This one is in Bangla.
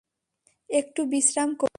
একটু বিশ্রাম করুন।